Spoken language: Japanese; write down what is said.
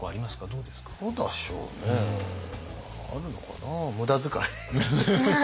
どうでしょうねあるのかな？